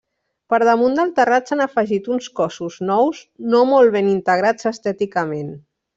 Per damunt del terrat s’han afegit uns cossos nous no molt ben integrats estèticament.